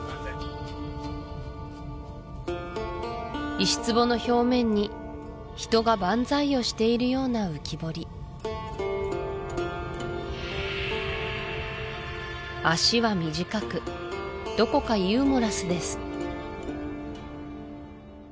石壺の表面に人がバンザイをしているような浮き彫り脚は短くどこかユーモラスです